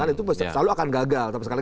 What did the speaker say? itu selalu akan gagal